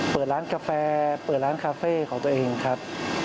เปิดร้านกาแฟเปิดร้านคาเฟ่ของตัวเองครับ